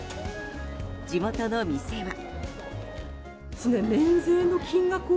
地元の店は。